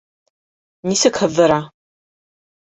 Нисек һыҙҙыра!